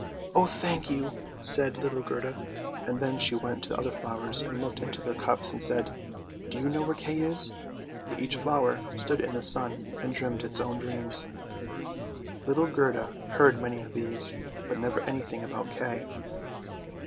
" Oh, thank you! " said little Gerda, and then she went to the other flowers and looked into their cups and said, " Do you know where Kay is? " But each flower stood in the sun and dreamt its own dreams. Little Gerda heard many of these, but never anything about Kay.